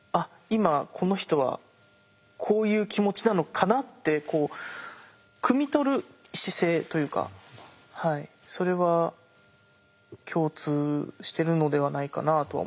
今この人はこういう気持ちなのかなってくみ取る姿勢というかそれは共通しているのではないかなとは思いますけどね。